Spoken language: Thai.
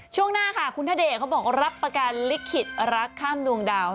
ช่วงหน้าค่ะคุณธเดชเขาบอกรับประกันลิขิตรักข้ามดวงดาว